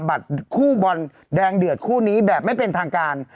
บัตรคู่บอลแดงเดือดคู่นี้แบบไม่เป็นทางการ